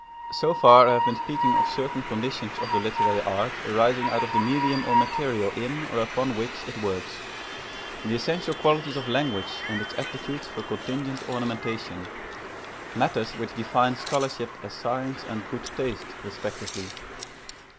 So far I have been speaking of certain conditions of the literary art arising out of the medium or material in or upon which it works, the essential qualities of language and its aptitudes for contingent ornamentation, matters which define scholarship as science and good taste respectively.